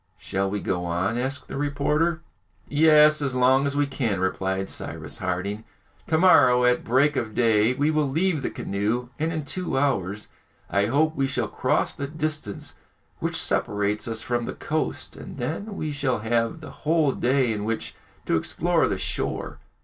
"Shall, we go on?" asked the reporter. "Yes, as long as we can," replied Cyrus Harding. "To morrow, at break of day, we will leave the canoe, and in two hours I hope we shall cross the distance which separates us from the coast, and then we shall have the whole day in which to explore the shore."